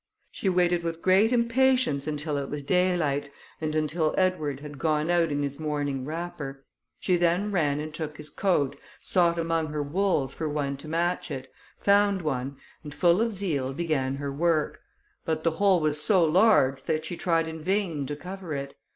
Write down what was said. She waited with great impatience until it was daylight, and until Edward had gone out in his morning wrapper. She then ran and took his coat, sought among her wools for one to match it, found one, and full of zeal, began her work; but the hole was so large, that she tried in vain to cover it.